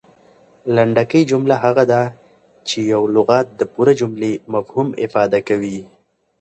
لنډکۍ جمله هغه ده، چي یو لغت د پوره جملې مفهوم افاده کوي.